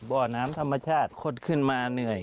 บ่อน้ำธรรมชาติคดขึ้นมาเหนื่อย